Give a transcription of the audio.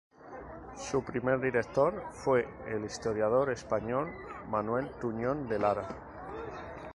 Su primer director fue el historiador español Manuel Tuñón de Lara.